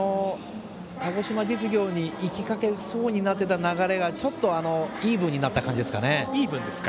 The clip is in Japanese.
鹿児島実業に行きかけそうになっていた流れがちょっとイーブンになった感じですかね。